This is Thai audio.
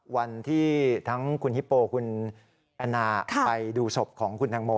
วันที่ทั้งคุณฮิปโปคุณแอนนาไปดูศพของคุณตังโม